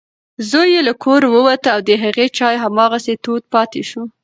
زوی یې له کوره ووت او د هغې چای هماغسې تود پاتې شو.